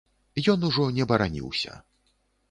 Ён ужо не бараніўся.